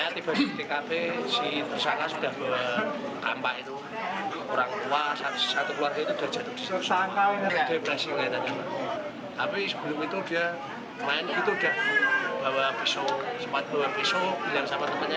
bawa besok sempat keluar besok bilang sama temannya